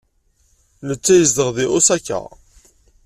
Netta yezdeɣ deg Osaka.